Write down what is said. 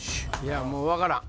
もう分からん！